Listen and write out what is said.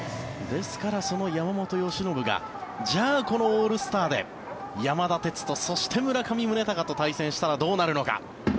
ですから、その山本由伸がじゃあこのオールスターで山田哲人、そして村上宗隆と対戦したらどうなるのか。